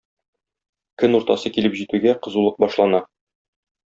Көн уртасы килеп җитүгә, кызулык башлана.